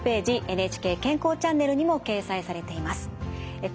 ＮＨＫ健康チャンネルにも掲載されています。